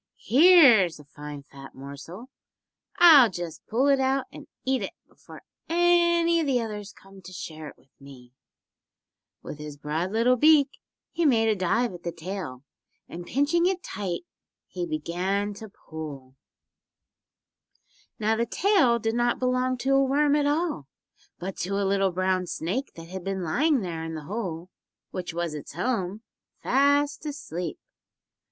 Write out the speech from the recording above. "Here's a fine fat morsel. I'll just pull it out and eat it before any of the others come to share it with me." With his broad little beak he made a dive at the tail, and pinching it tight he began to pull. [Illustration: She gave one to Fluffy and one to Curly tail] Now the tail did not belong to a worm at all, but to a little brown snake that had been lying there in the hole (which was its home) fast asleep.